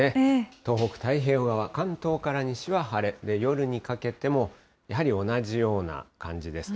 東北、太平洋側、関東から西は晴れ、夜にかけてもやはり同じような感じです。